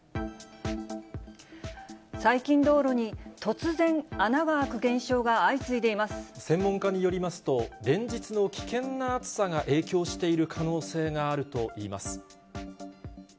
最近、道路に突然、専門家によりますと、連日の危険な暑さが影響している可能性があるといいます。